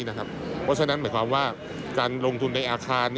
เพราะฉะนั้นหมายความว่าการลงทุนในอาคาร